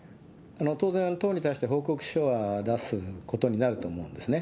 当然、党に対して報告書は出すことになると思うんですね。